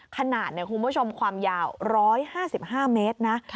ขนาดคุณผู้ชมความยาว๑๕๕เมตรนะ